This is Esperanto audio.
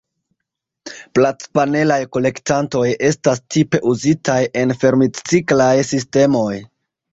Platpanelaj kolektantoj estas tipe uzitaj en fermitciklaj sistemoj.